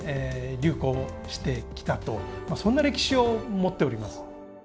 流行してきたとそんな歴史を持っております。